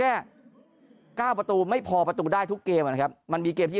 เนี่ยเก้าประตูไม่พอประตูได้ทุกเกมอ่ะนะครับมันมีเกมที่